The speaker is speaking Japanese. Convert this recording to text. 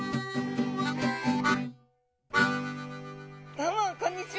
どうもこんにちは。